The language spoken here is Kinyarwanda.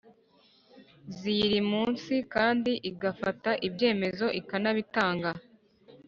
ziyiri munsi kandi igafata ibyemezo ikanabitanga